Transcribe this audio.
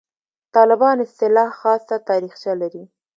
«طالبان» اصطلاح خاصه تاریخچه لري.